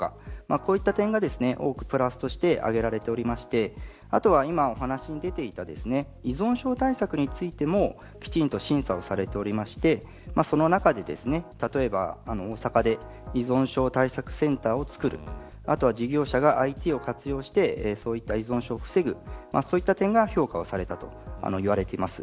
こういった景気店が多くプラスとして挙げられていてあとは今お話に出ていた依存症対策についてもきちんと審査されておりましてその中で、例えば大阪で依存症対策センターをつくるあとは事業者がＩＴを活用してそういった依存症を防ぐそういった点が評価をされたといわれています。